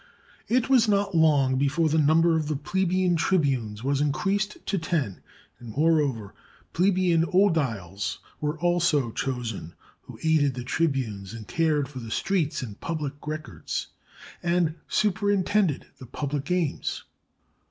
It was not long before the number of plebeian tribunes was increased to ten; and, moreover, plebeian oediles were also chosen who aided the tribunes and cared for the streets and pubhc records, and superintended the public games.